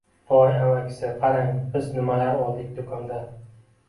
Voy, amakisi, qarang, biz nimalar oldik do`kondan